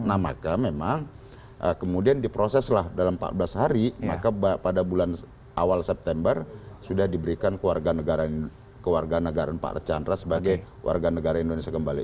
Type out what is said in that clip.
nah maka memang kemudian diproseslah dalam empat belas hari maka pada bulan awal september sudah diberikan kewarganegaraan pak archandra sebagai warga negara indonesia kembali